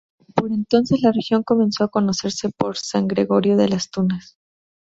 Por entonces la región comenzó a conocerse por San Gregorio de Las Tunas.